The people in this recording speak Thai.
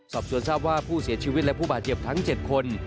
สอบสวนทราบว่าผู้เสียชีวิตและผู้บาดเจ็บทั้ง๗คน